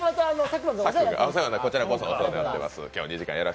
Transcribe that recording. こちらこそお世話になってます。